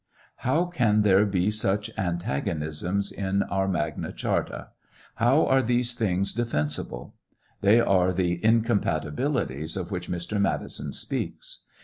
How can there be such antagonisms in our magna charta ? How are thes things defeusible ? They are the " incompatibilities" of which Mr. Madiso speaks.